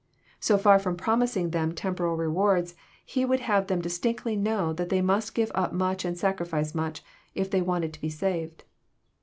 So far from promising them temporal rewards, He would have them distinctly know that they must give up much and sacrifice much, if they wanted to be saved.